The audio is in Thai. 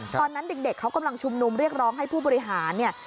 ตอนนั้นเด็กเขากำลังชุมนุมเรียกร้องให้ผู้บริหารเนี่ย